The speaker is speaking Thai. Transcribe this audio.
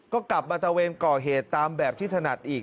ก็กลับมาตะเวนก่อเหตุตามแบบที่ถนัดอีก